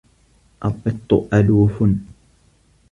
الْقِطُّ أَلُوفٌ.